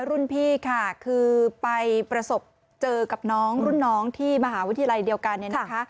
รุ่นพี่ค่ะคือไปประสบเจอกับน้องรุ่นน้องที่มหาวิทยาลัยเดียวกันเนี่ยนะคะ